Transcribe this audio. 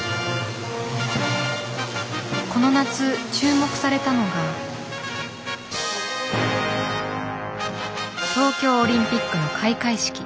この夏注目されたのが東京オリンピックの開会式。